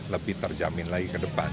lebih terjamin lagi ke depan